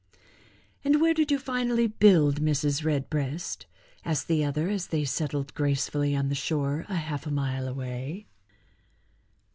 "And where did you finally build, Mrs. Redbreast?" asked the other as they settled gracefully on the shore a half a mile away.